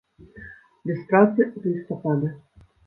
Без працы з лістапада.